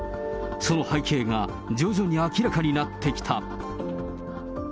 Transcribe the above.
その背景が徐々に明らかになってきた。